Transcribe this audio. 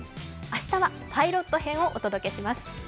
明日はパイロット編をお届けします。